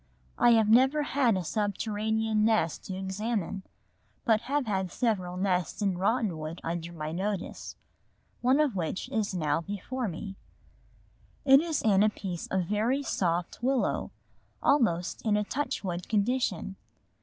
I have never had a subterranean nest to examine, but have had several nests in rotten wood under my notice, one of which is now before me (pl. C, 23). It is in a piece of very soft willow, almost in a touchwood condition.